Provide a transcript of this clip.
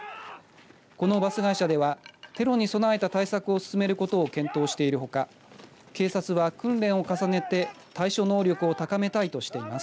このバス会社ではテロに備えた対策を進めることを検討しているほか警察は訓練を重ねて対処能力を高めたいとしています。